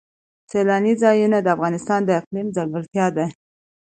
سیلانی ځایونه د افغانستان د اقلیم ځانګړتیا ده.